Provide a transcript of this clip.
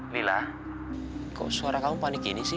lila kok suara kamu panik gini sih